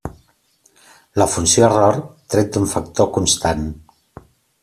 La funció error tret d'un factor constant.